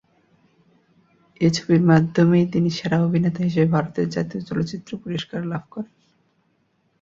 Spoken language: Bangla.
এ ছবির মাধ্যমেই তিনি 'সেরা অভিনেতা' হিসেবে ভারতের 'জাতীয় চলচ্চিত্র পুরস্কার' লাভ করেন।